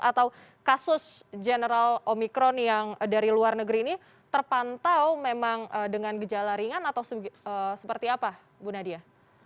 atau kasus general omikron yang dari luar negeri ini terpantau memang dengan gejala ringan atau seperti apa bu nadia